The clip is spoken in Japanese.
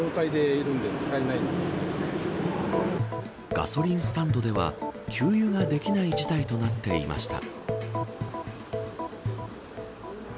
ガソリンスタンドでは給油ができない事態となっていました。